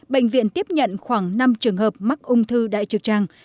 bệnh viện tiếp nhận khoảng năm trường hợp mắc ung thư đại trực tràng